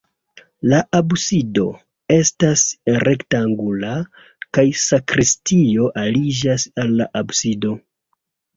La absido estas rektangula kaj sakristio aliĝas al la absido.